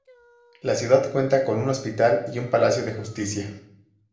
La ciudad cuenta con un hospital y un palacio de justicia.